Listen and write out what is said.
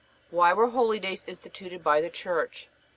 Why were holydays instituted by the Church?